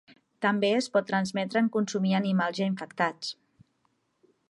També es pot transmetre en consumir animals ja infectats.